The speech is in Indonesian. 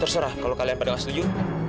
terserah kalau kalian pada nggak setuju